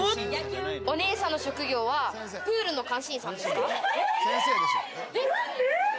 お姉さんの職業はプールの監視員さんですか？